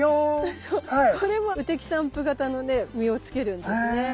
これも雨滴散布型のね実をつけるんですね。